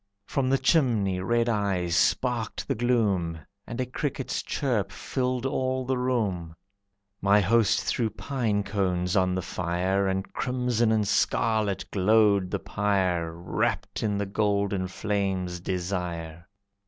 From the chimney, red eyes sparked the gloom, And a cricket's chirp filled all the room. My host threw pine cones on the fire And crimson and scarlet glowed the pyre Wrapped in the golden flame's desire.